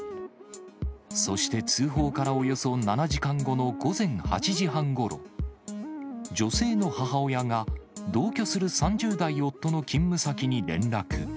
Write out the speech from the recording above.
そして通報からおよそ７時間後の午前８時半ごろ、女性の母親が、同居する３０代夫の勤務先に連絡。